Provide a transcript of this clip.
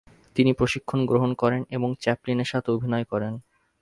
তিনি প্রশিক্ষণ গ্রহণ করেন এবং চ্যাপলিনের সাথে অভিনয় করেন।